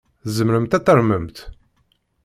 Tzemremt ad tarmemt?